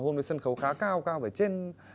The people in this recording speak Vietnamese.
hôm đấy sân khấu khá cao cao phải trên